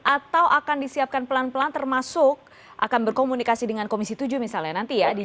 atau akan disiapkan pelan pelan termasuk akan berkomunikasi dengan komisi tujuh misalnya nanti ya